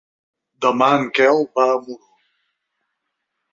Demà en Quel va a Muro.